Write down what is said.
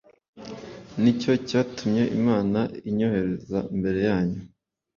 ni cyo cyatumye imana inyohereza mbere yanyu